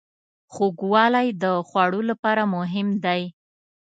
خوږوالی د خوړو لپاره مهم دی.